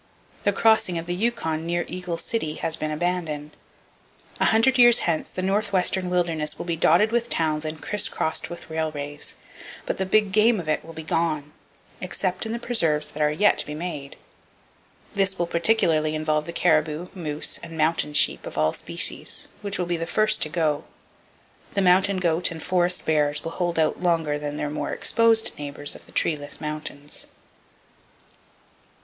The "crossing" of the Yukon near Eagle City has been abandoned. A hundred years hence, the northwestern wilderness will be dotted with towns and criss crossed with railways; but the big game of it will be gone, except in the preserves that are yet to be made. This will particularly involve the caribou, moose, and mountain sheep of all species, which will be the first to go. The mountain goat and the forest bears will hold out longer than their more exposed neighbors of the treeless mountains.